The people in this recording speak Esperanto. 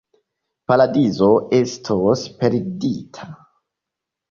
Paradizo estos perdita.